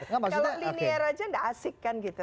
kalau linear aja nggak asik kan gitu